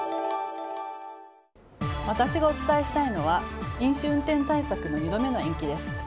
私がお伝えしたいのは飲酒運転対策の２度目の延期です。